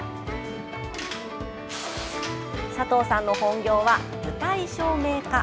佐藤さんの本業は、舞台照明家。